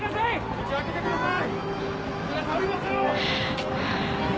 道を開けてください